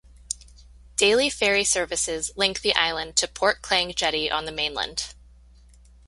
Daily ferry services link the island to Port Klang jetty on the mainland.